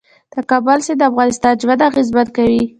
د کابل سیند د افغانانو ژوند اغېزمن کوي.